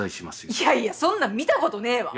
いやいやそんなん見たことねえわ